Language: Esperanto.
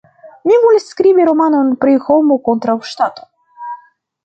Mi volis skribi romanon pri Homo kontraŭ Ŝtato.